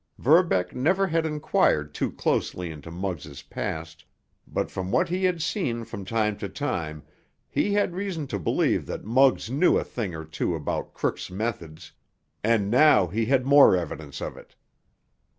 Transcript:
Verbeck never had inquired too closely into Muggs' past, but from what he had seen from time to time, he had reason to believe that Muggs knew a thing or two about crooks' methods, and now he had more evidence of it.